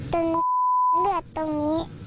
ตั้นเลือดตรงนี้